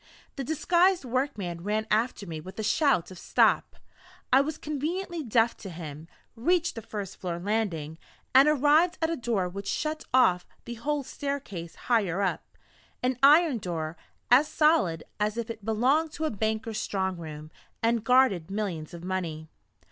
The disguised workman ran after me with a shout of "Stop!" I was conveniently deaf to him reached the first floor landing and arrived at a door which shut off the whole staircase higher up; an iron door, as solid as if it belonged to a banker's strong room, and guarded millions of money.